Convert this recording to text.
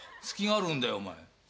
隙があるんだよお前。